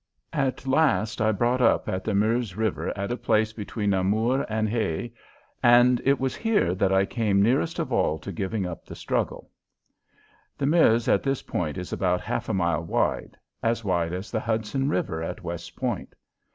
At last I brought up at the Meuse River at a place between Namur and Huy, and it was here that I came nearest of all to giving up the struggle. The Meuse at this point is about half a mile wide as wide as the Hudson River at West Point.